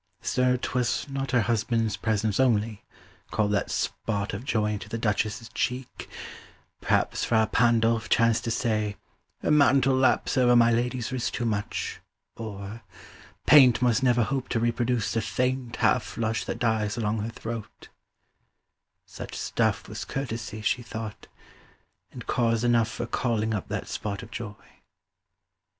Sir, 'twas not Her husband's presence only, called that spot Of joy into the Duchess' cheek: perhaps Fra Pandolf chanced to say "Her mantle laps Over my lady's wrist too much," or "Paint Must never hope to reproduce the faint Half flush that dies along her throat"; such stuff Was courtesy, she thought, and cause enough 20 For calling up that spot of joy.